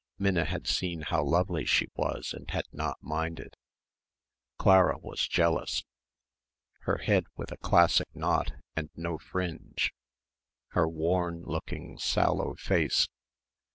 Minna had seen how lovely she was and had not minded. Clara was jealous. Her head with a classic knot and no fringe, her worn looking sallow face....